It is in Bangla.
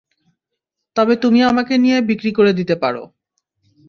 তবে তুমি আমাকে নিয়ে বিক্রি করে দিতে পার।